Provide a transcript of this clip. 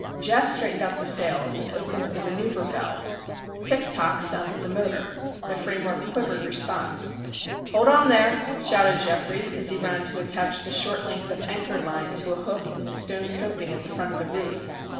Geof straightened out the sails, and opened the manœuvre valve. Tick tock, sounded the motor. The framework quivered response. "Hold on there," shouted Geoffrey, as he ran to attach the short length of anchor line to a hook in the stone coping at the front of the roof.